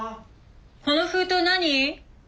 この封筒何？